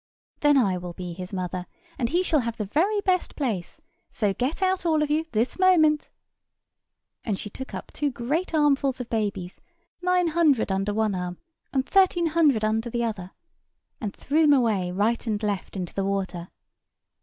"Then I will be his mother, and he shall have the very best place; so get out, all of you, this moment." And she took up two great armfuls of babies—nine hundred under one arm, and thirteen hundred under the other—and threw them away, right and left, into the water.